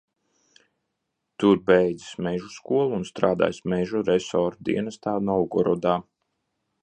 Tur beidzis mežu skolu un strādājis mežu resora dienestā Novgorodā.